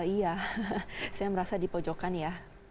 iya saya merasa di pojokan ya